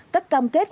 các cam kết